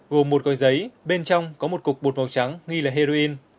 gồm một gói giấy bên trong có một cục bột màu trắng nghi là heroin